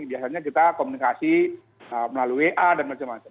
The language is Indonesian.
biasanya kita komunikasi melalui wa dan macam macam